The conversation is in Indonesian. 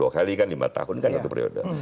dua kali kan lima tahun kan satu periode